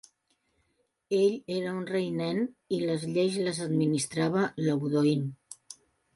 Ell era un rei nen i les lleis les administrava l"Audoin.